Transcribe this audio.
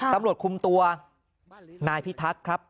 ตำรวจคุมตัวนายพิทักษ์ครับ